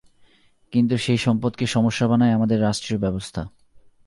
কিন্তু সেই সম্পদকে সমস্যা বানায় আমাদের রাষ্ট্রীয় ব্যবস্থা।